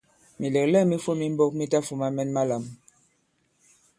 Mìlɛ̀glɛ᷇k mi fōm i mbōk mi tafūma mɛn malām.